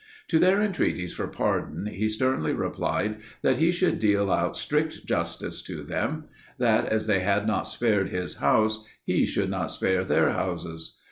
To their entreaties for pardon, he sternly replied, that he should deal out strict justice to them; that as they had not spared his house, he should not spare their houses.